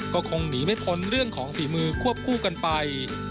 ก็คงหนีไม่พ้นเรื่องของฝีมือควบคู่กันไป